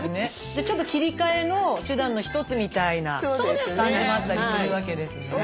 じゃちょっと切り替えの手段の一つみたいな感じもあったりするわけですね。